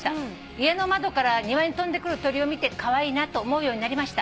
「家の窓から庭に飛んでくる鳥を見てカワイイなと思うようになりました」